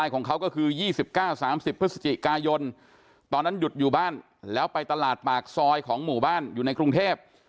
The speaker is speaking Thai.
ของเขาก็คือ๒๙๓๐พฤศจิกายนตอนนั้นหยุดอยู่บ้านแล้วไปตลาดปากซอยของหมู่บ้านอยู่ในกรุงเทพ